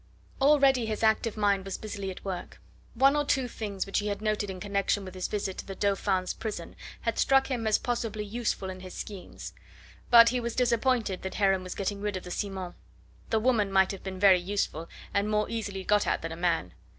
Already his active mind was busily at work. One or two things which he had noted in connection with his visit to the Dauphin's prison had struck him as possibly useful in his schemes. But he was disappointed that Heron was getting rid of the Simons. The woman might have been very useful and more easily got at than a man.